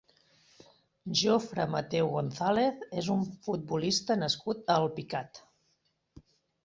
Jofre Mateu González és un futbolista nascut a Alpicat.